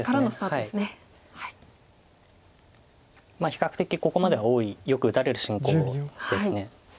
比較的ここまでは多いよく打たれる進行です。